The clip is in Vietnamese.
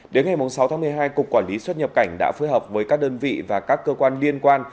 đến ngày sáu tháng một mươi hai cục quản lý xuất nhập cảnh đã phối hợp với các đơn vị và các cơ quan liên quan